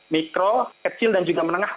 mikro kecil dan juga menengah